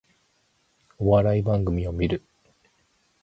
お笑い番組を観る